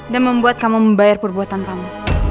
dan membuat kamu membayar perbuatan kamu